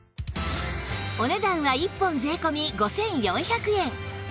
お値段は１本税込５４００円